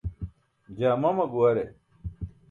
Jaa mama guware.